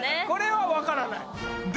これは分からない